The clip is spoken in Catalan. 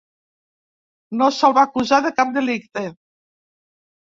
No se'l va acusar de cap delicte.